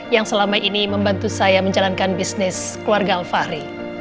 yang selama ini membantu saya menjalankan bisnis keluarga alfahri